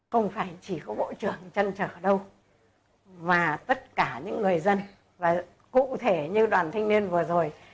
không phải chỉ có bộ trưởng chăn trở đâu và tất cả những người dân và cụ thể như đoàn thanh niên vừa rồi